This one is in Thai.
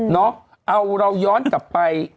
เอาเราย้อนกลับไป